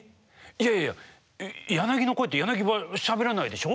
いやいやヤナギの声ってヤナギはしゃべらないでしょ？